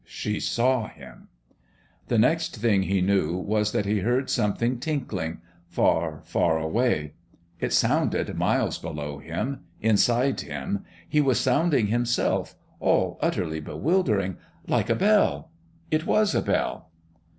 She saw him. The next thing he knew was that he heard something tinkling ... far, far away. It sounded miles below him inside him he was sounding himself all utterly bewildering like a bell. It was a bell.